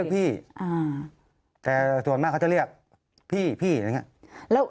ก็เห็นมาตั้งแต่เล็กเหมือนกัน